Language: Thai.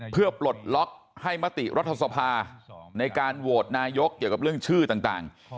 เพื่อปลดล็อกให้มติรัฐสภาในการโหวตนายกเกี่ยวกับเรื่องชื่อต่าง